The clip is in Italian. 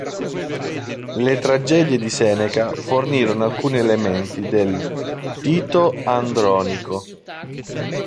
Le tragedie di Seneca fornirono alcuni elementi del "Tito Andronico".